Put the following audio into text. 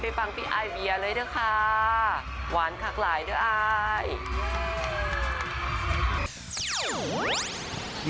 พี่ไอว์เวียเลยด้วยค่ะหวานคักหลายด้วยไอว์